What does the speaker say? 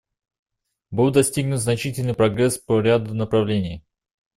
Был достигнут значительный прогресс по ряду направлений.